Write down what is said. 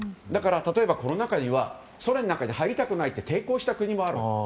だから、例えばこの中にはソ連の中に入りたくないと抵抗した国もある。